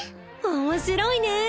面白いねぇ。